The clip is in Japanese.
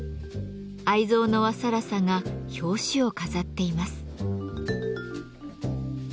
愛蔵の和更紗が表紙を飾っています。